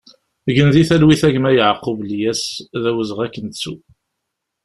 Gen di talwit a gma Yakub Lyas, d awezɣi ad k-nettu!